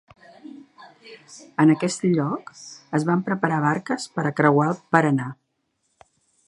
En aquest lloc es van preparar barques per a creuar el Paranà.